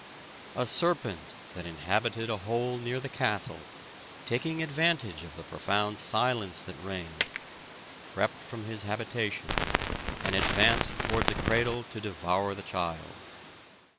A serpent that inhabited a hole near the castle, taking advantage of the profound silence that reigned, crept from his habitation, and advanced towards the cradle to devour the child.